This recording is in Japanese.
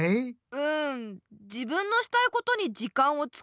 うん自分のしたいことに時間をつかえるし。